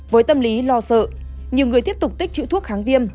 với tâm lý lo sợ nhiều người tiếp tục tích chữ thuốc kháng viêm